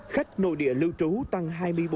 khách nội địa lưu trú tăng hai mươi bốn